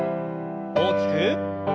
大きく。